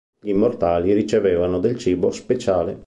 Gli Immortali ricevevano del cibo speciale.